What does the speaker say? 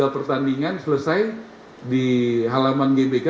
tiga pertandingan selesai di halaman gbk